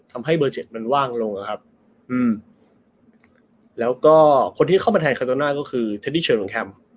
ทำให้เบอร์เจ็ดมันว่างลงนะครับอืมแล้วก็คนที่เข้ามาแทนคาโตน่าก็คือเทนดี้เชิญของแฮม